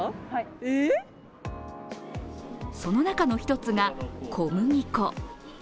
その中の一つが小麦粉。